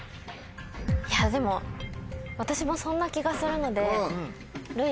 いやでも私もそんな気がするのでるう